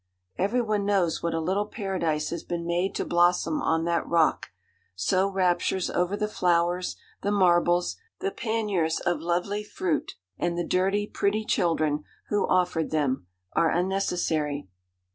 Everyone knows what a little Paradise has been made to blossom on that rock; so raptures over the flowers, the marbles, the panniers of lovely fruit, and the dirty, pretty children who offered them, are unnecessary.